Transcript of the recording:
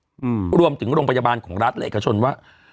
อืมรวมถึงโรงพยาบาลของรัฐและเอกชนว่า